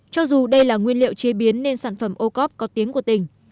cho dù đây là nguyên liệu chế biến nên sản phẩm ô cóp có tiếng của tỉnh